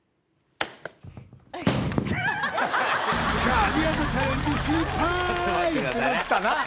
神業チャレンジ失敗！